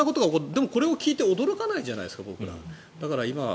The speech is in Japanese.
でもこれを聞いて驚かないじゃないですか